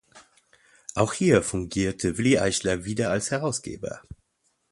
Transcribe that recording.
Auch hier fungierte Willi Eichler wieder als Herausgeber.